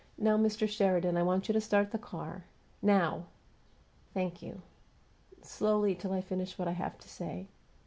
"Now, Mr. Sheridan, I want you to start the car. Now! Thank you. Slowly, till I finish what I have to say.